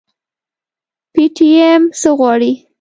پي ټي ايم څه غواړي؟